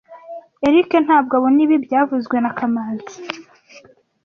Eric ntabwo abona ibi byavuzwe na kamanzi